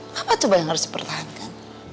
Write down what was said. apa coba yang harus dipertahankan